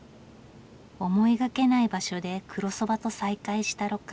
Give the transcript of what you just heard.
思いがけない場所で黒そばと再会した六角さん。